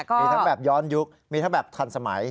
มีทั้งแบบย้อนยุคมีทั้งแบบทันสมัย